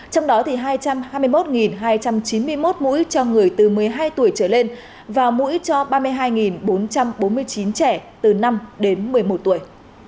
trong đó hai trăm hai mươi một hai trăm chín mươi một mũi cho người từ một mươi hai tuổi trở lên và mũi cho ba mươi hai bốn trăm bốn mươi chín trẻ từ năm đến một mươi một tuổi